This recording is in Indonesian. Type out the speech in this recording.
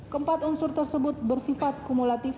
keempat unsur tersebut bersifat kumulatif